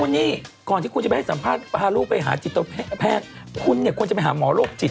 นี่ก่อนที่คุณจะไปให้สัมภาพพาลูกไปหาจิตแจกอภัทรคุณควรจะไปหาหมอโรคจิต